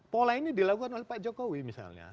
pola ini dilakukan oleh pak jokowi misalnya